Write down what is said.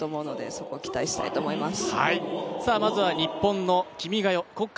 そこを期待したいと思います。